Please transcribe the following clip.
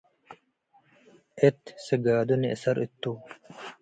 እት ስጋዱ ንእሰር እቱ'።